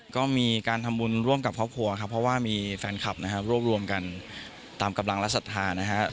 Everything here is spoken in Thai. ก็มีการทำบุญร่วมกับครอบครัวครับเพราะว่ามีแฟนคลับนะครับรวบรวมกันตามกำลังและศรัทธานะฮะ